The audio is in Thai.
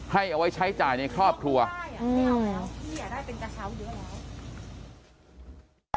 ให้เอาไว้ใช้จ่ายในครอบครัวอืมพี่อ่ะได้เป็นกระเช้าเยอะแล้ว